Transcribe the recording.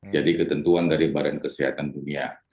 jadi ketentuan dari barang kesehatan dunia